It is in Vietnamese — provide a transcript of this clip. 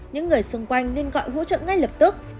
những người xung quanh nên gọi hỗ trợ ngay lập tức